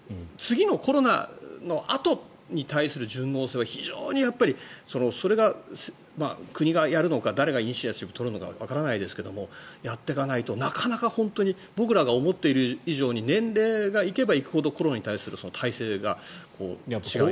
コロナのあとに対する順応性は非常にそれが国がやるのか誰がイニシアチブを取るのかわからないですけどやっていかないとなかなか本当に僕らが思っている以上に年齢が行けば行くほどコロナに対する体勢が違う。